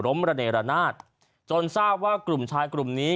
ระเนรนาศจนทราบว่ากลุ่มชายกลุ่มนี้